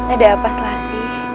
ada apa selasih